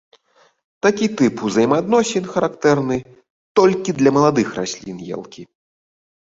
Такі тып узаемаадносін характэрны толькі для маладых раслін елкі.